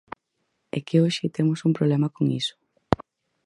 É que hoxe temos un problema con iso.